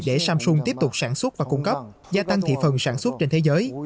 để samsung tiếp tục sản xuất và cung cấp gia tăng thị phần sản xuất trên thế giới